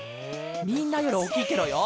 みんなよりおおきいケロよ。